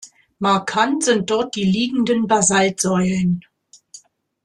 Markant sind dort die liegenden Basaltsäulen.